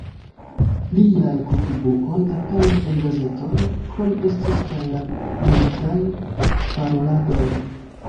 Liaj kontribuoj aperis en gazetoj, krome estis parlamentaj paroladoj.